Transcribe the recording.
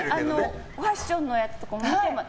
ファッションのやつとかも見てます。